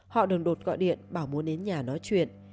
họ đừng đột gọi điện bảo muốn đến nhà nói chuyện